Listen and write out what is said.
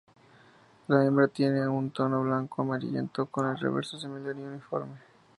La hembra tiene un tono blanco-amarillento, con el reverso similar y uniforme.